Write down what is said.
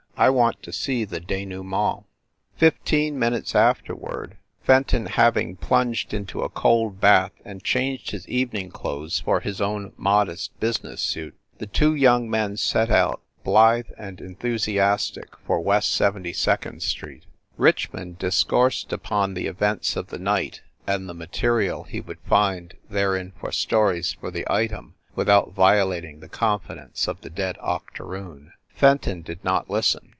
I want to see the denouement !" 312 FIND THE WOMAN Fifteen minutes afterward, Fenton having plunged into a cold bath and changed his evening clothes for his own modest business suit, the two young men set out, blithe and enthusiastic, for West Seventy second Street. Richmond discoursed upon the events of the night, and the material he would find therein for stories for the Item without violat ing the confidence of the dead octoroon. Fenton did not listen.